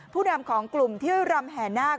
ผู้นำของกลุ่มที่รำแห่นาค